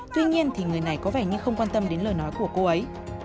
tuy nhiên thì người này có vẻ như không quan tâm đến lời nói của cô ấy